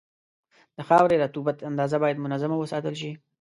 د خاورې رطوبت اندازه باید منظمه وساتل شي.